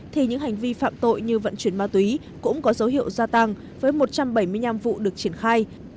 thì những hành vi phạm tội như vận chuyển ma túy cũng có dấu hiệu gia tăng với một trăm bảy mươi năm vụ được triển khai